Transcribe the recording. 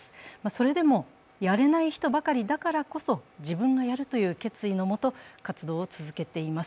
それでも、やれない人ばかりだからこそ自分がやるという決意のもと活動を続けています。